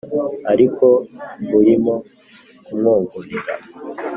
ariko urimo kumwongorera